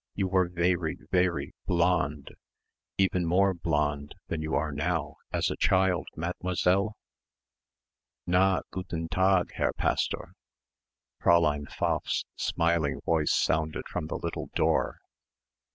You were vairy, vairy blonde, even more blonde than you are now, as a child, mademoiselle?" "Na guten Tag, Herr Pastor." Fräulein Pfaff's smiling voice sounded from the little door.